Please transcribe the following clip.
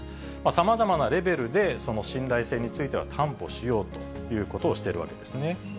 さまざまなレベルで、その信頼性については担保しようということをしているわけですね。